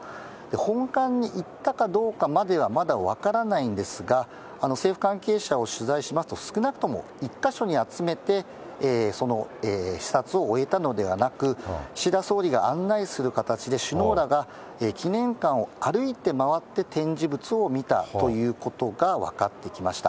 本館に行ったかどうかまではまだ分からないんですが、政府関係者を取材しますと、少なくとも１か所に集めて、その視察を終えたのではなく、岸田総理が案内する形で、首脳らが記念館を歩いて回って展示物を見たということが分かってきました。